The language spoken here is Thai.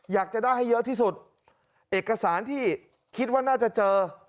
อยากจะได้ให้เยอะที่สุดเอกสารที่คิดว่าน่าจะเจอ